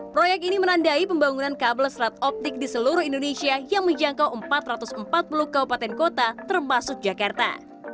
proyek ini menandai pembangunan kabel serat optik di seluruh indonesia yang menjangkau empat ratus empat puluh kabupaten kota termasuk jakarta